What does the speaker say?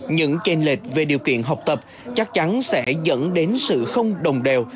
những tranh lệch về điều kiện học tập chắc chắn sẽ dẫn đến sự không đồng đều